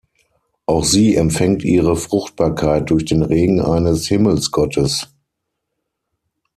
Auch sie empfängt ihre Fruchtbarkeit durch den Regen eines Himmelsgottes.